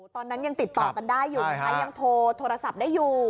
ตอนนั้นยังติดต่อกันได้อยู่นะคะยังโทรโทรศัพท์ได้อยู่